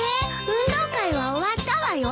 運動会は終わったわよ。